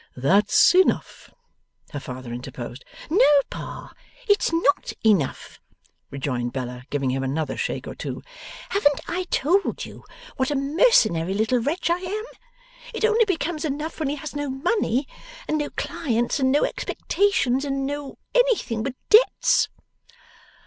'That's enough,' her father interposed. 'No, Pa, it's NOT enough,' rejoined Bella, giving him another shake or two. 'Haven't I told you what a mercenary little wretch I am? It only becomes enough when he has no money, and no clients, and no expectations, and no anything but debts.